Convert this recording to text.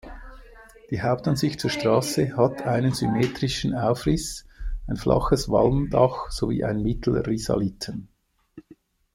Die Hauptansicht zur Straße hat einen symmetrischen Aufriss, ein flaches Walmdach sowie einen Mittelrisaliten.